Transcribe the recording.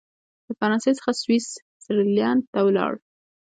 له فرانسې څخه سویس زرلینډ ته ولاړ.